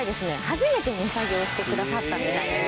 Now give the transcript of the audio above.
初めて値下げをしてくださったみたいです。